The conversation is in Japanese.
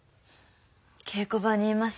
稽古場にいます。